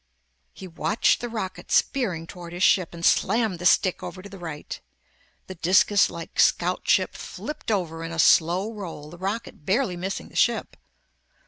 He watched the rocket spearing toward his ship and slammed the stick over to the right. The discus like scout ship flipped over in a slow roll, the rocket barely missing the ship.